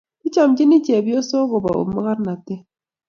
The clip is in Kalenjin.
Kichomchini chepyosok kobou mokornatet